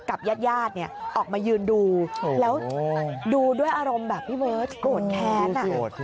กับญาติญาติเนี่ยออกมายืนดูโอ้โหแล้วดูด้วยอารมณ์แบบพี่เบิร์ชโกรธแท้นอ่ะโอ้โหโอ้โห